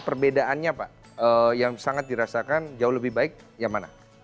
perbedaannya pak yang sangat dirasakan jauh lebih baik yang mana